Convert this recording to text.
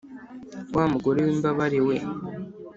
wa mugore w imbabare we?